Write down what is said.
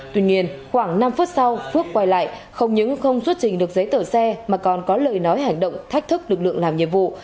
tuy nhiên khoảng năm phút sau phước quay lại không những không xuất trình được giấy tờ xe mà còn có lời nói hành động thách thức lực lượng làm nhiệm vụ